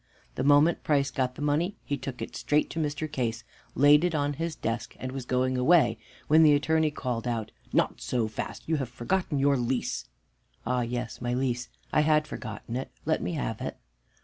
The moment Price got the money he took it straight to Mr. Case, laid it on his desk and was going away, when the Attorney called out, "Not so fast, you have forgotten your lease." "Ah yes! my lease, I had forgotten it. Let me have it."